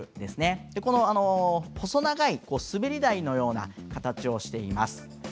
細長い滑り台のような形をしています。